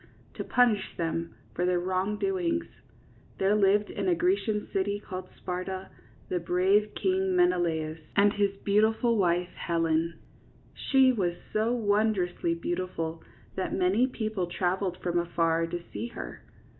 to punish them for their wrongdoings, there lived in a Grecian city called Sparta, the brave king Menelaus and his beautiful wife, Helen. ^ She was so wondrously beautiful that many people traveled from afar to see her.